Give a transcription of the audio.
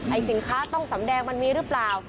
สินค้าต้องสำแดงมันมีหรือเปล่า